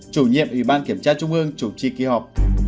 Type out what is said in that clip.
chủ nhiệm ủy ban kiểm tra trung ương chủ trì kỳ họp